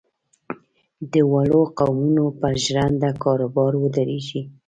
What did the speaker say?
د وړو قومونو پر ژرنده کاروبار ودرېږي.